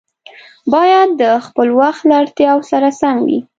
باید د خپل وخت له اړتیاوو سره سم وي.